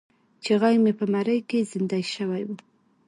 چې غږ مې په مرۍ کې زیندۍ شوی و.